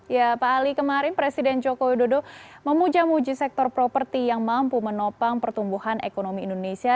ya pak ali kemarin presiden joko widodo memuja muji sektor properti yang mampu menopang pertumbuhan ekonomi indonesia